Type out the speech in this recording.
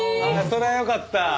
それはよかった。